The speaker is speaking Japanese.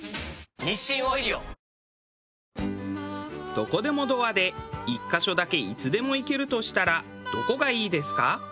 「どこでもドア」で１カ所だけいつでも行けるとしたらどこがいいですか？